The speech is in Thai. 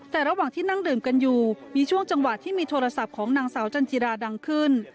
แต่ระหว่างที่นั่งดื่มกันอยู่มีช่วงจังหวะที่มีโทรศัพท์ของนางสาวจันจิราดังขึ้น